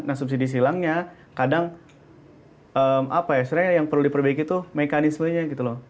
nah subsidi silangnya kadang apa ya sebenarnya yang perlu diperbaiki itu mekanismenya gitu loh